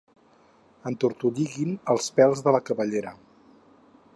Entortolliguin els pèls de la cabellera.